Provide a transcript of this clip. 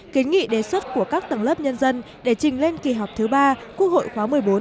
kiến nghị đề xuất của các tầng lớp nhân dân để trình lên kỳ họp thứ ba quốc hội khóa một mươi bốn